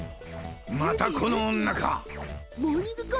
またこの女か。